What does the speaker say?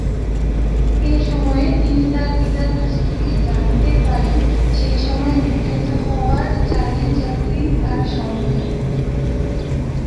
এসময়ে তিনি তার পিতার কাছ থেকে জানতে পারেন সে সময়ে বিখ্যাত হওয়ার চার্লি চ্যাপলিন তার সৎ ভাই।